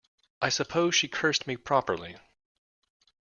I suppose she cursed me properly?